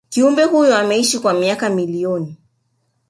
kiumbe huyo ameishi kwa miaka milioni